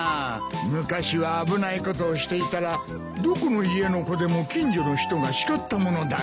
昔は危ないことをしていたらどこの家の子でも近所の人が叱ったものだが。